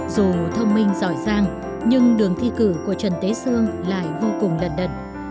dù thông minh giỏi giang nhưng đường thi cử của trần thế sương lại vô cùng lận đận